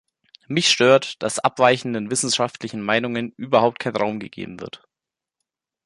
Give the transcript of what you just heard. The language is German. Mich stört, dass abweichenden wissenschaftlichen Meinungen überhaupt kein Raum gegeben wird.